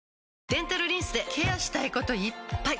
デンタルリンスでケアしたいこといっぱい！